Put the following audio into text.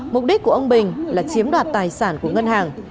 mục đích của ông bình là chiếm đoạt tài sản của ngân hàng